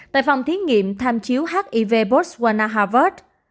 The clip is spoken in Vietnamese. tại phòng thiết nghiệm tham chiếu hiv botswana harvard